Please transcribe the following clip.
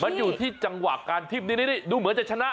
มันอยู่ที่จังหวะการทิบนี่ดูเหมือนจะชนะ